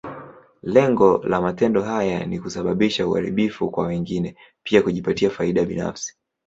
Lengo la matendo haya ni kusababisha uharibifu kwa wengine, bila kujipatia faida binafsi.